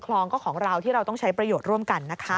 คลองก็ของเราที่เราต้องใช้ประโยชน์ร่วมกันนะคะ